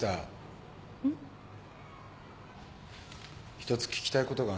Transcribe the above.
一つ聞きたいことがあんだけど。